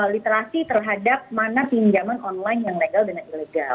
literasi terhadap mana pinjaman online yang legal dan ilegal